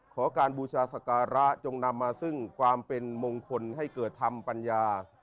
ขอการบูชาสการะจงนำมาซึ่งความเป็นมงคลให้เกิดธรรมปัญญา